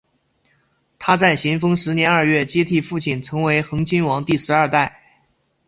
他在咸丰十年二月接替父亲成为恒亲王第十二代。